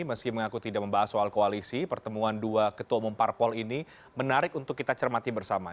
meski mengaku tidak membahas soal koalisi pertemuan dua ketua umum parpol ini menarik untuk kita cermati bersama